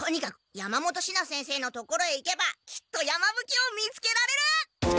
山本シナ先生の所へ行けばきっと山ぶ鬼を見つけられる！